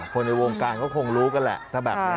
อ๋อคนในวงการก็คงรู้กันแหละถ้าแบบนี้